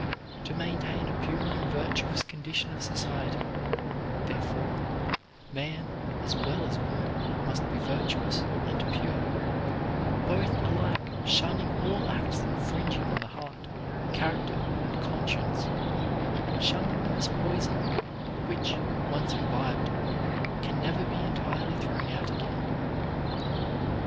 To maintain a pure and virtuous condition of society, therefore, man as well as woman must be virtuous and pure, both alike shunning all acts infringing on the heart, character, and conscience, shunning them as poison, which, once imbibed, can never be entirely thrown out again.